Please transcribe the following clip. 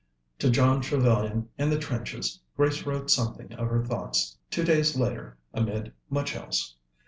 To John Trevellyan in the trenches, Grace wrote something of her thoughts two days later, amid much else.